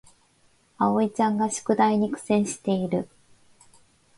あおいちゃんが宿題に苦戦している